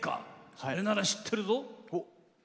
それなら知ってるぞ。